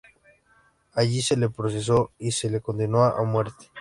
Allí se le procesó y se le condenó a muerte.